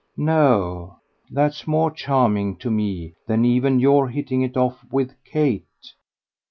No that's more charming to me than even your hitting it off with Kate.